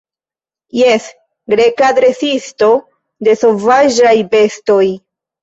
Jes, Greka dresisto de sovaĝaj bestoj.